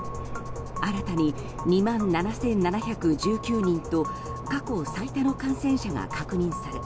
新たに２万７７１９人と過去最多の感染者が確認され